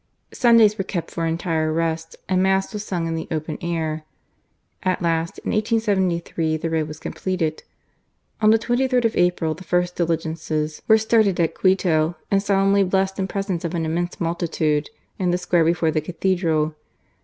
Sundays were kept for entire rest, and Mass was sung in the open air. At last, in 1873, the road was completed, ] On the 33rd of April the first dihgences were started at Quito, and solemnly blessed in presence of an immense multitude, in the square before the Cathedral.